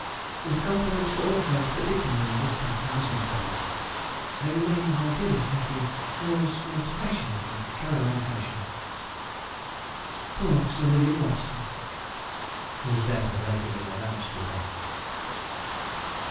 With compliments to all friends, particularly Mr. and Mrs. Babbage, I remain, my dearest nephew, Yours most affectionately, CAR. HERSCHEL. Poor Sir William Watson! [whose death had lately been announced to her.